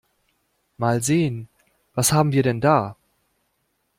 Mal sehen, was haben wir denn da?